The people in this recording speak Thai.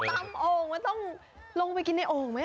ตำโอ่งมันต้องลงไปกินในโอ่งไหม